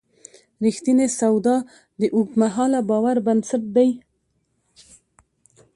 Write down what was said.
رښتینې سودا د اوږدمهاله باور بنسټ دی.